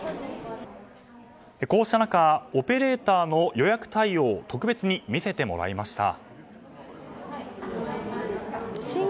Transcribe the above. こうした中オペレーターの予約対応を特別に見せてもらいました。